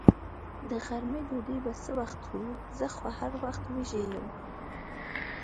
د غرمې ډوډۍ به څه وخت خورو؟ زه خو هر وخت وږې یم.